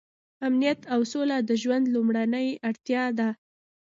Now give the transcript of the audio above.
امنیت او سوله د ژوند لومړنۍ اړتیا ده.